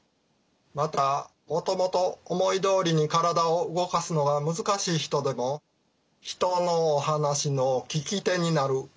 またもともと思いどおりに体を動かすのが難しい人でも人のお話の聞き手になる傾聴という役割があります。